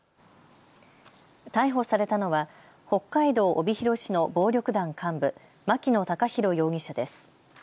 逮捕されたのは北海道帯広市の暴力団幹部、牧野孝広容疑者です。